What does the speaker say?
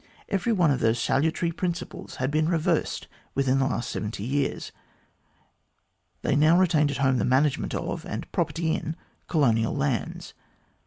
Every one of those salutary principles had been reversed within the last seventy years. They now retained at home the management of, and property in, colonial lands.